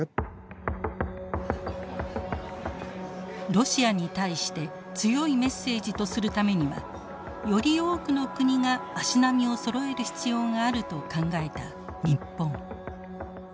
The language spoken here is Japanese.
ロシアに対して強いメッセージとするためにはより多くの国が足並みをそろえる必要があると考えた日本。